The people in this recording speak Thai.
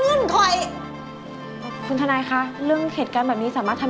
เลื่อนค่อยคุณธนาคารื่องเหตุการณ์แบบนี้สามารถทำ